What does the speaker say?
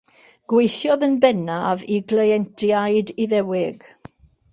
Gweithiodd yn bennaf i gleientiaid Iddewig.